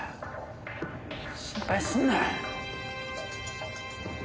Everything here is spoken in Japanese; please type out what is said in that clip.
心配すんな。